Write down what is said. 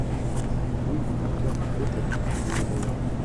Rue du Docteur Bretelle au numéro vingt